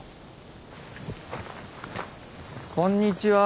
こんにちは。